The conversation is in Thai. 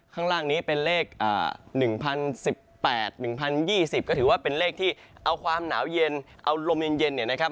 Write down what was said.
ข้างล่างนี้เป็นเลข๑๐๑๘๑๐๒๐ก็ถือว่าเป็นเลขที่เอาความหนาวเย็นเอาลมเย็นเนี่ยนะครับ